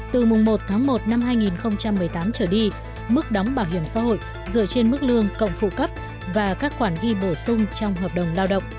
từ mùng một tháng một năm hai nghìn một mươi tám trở đi mức đóng bảo hiểm xã hội dựa trên mức lương cộng phụ cấp và các khoản ghi bổ sung trong hợp đồng lao động